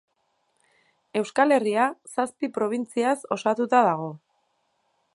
Euskal Herria zazpi probintziaz osatuta dago.